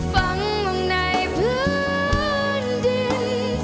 ฟังหลังในพื้นดิน